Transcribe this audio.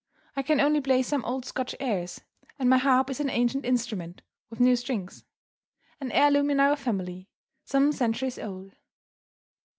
I can only play some old Scotch airs; and my harp is an ancient instrument (with new strings) an heirloom in our family, some centuries old.